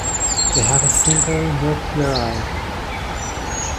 They have a single naupliar eye.